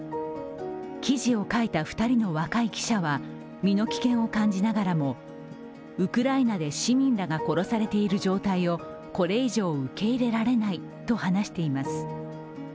記事を書いた２人の若い記者は身の危険を感じながらもウクライナで市民らが殺されている状態をこれ以上受け入れられないと話しています。